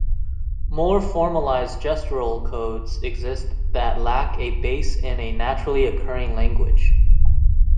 More formalized gestural codes exist that lack a base in a naturally occurring language.